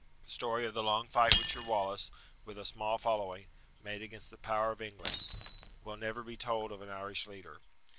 The story of the long fight which your Wallace, with a small following, made against the power of England, will never be told of an Irish leader.